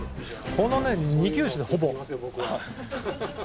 この２球種です、ほぼ。